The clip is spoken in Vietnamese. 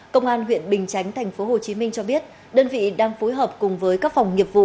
công an huyện bình chánh tp hcm cho biết đơn vị đang phối hợp cùng với các phòng nghiệp vụ